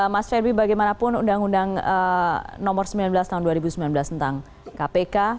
mas ferry bagaimanapun undang undang nomor sembilan belas tahun dua ribu sembilan belas tentang kpk